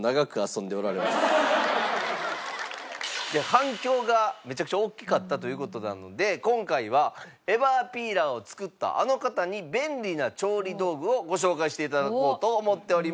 反響がめちゃくちゃ大きかったという事なので今回はエバーピーラーを作ったあの方に便利な調理道具をご紹介していただこうと思っております。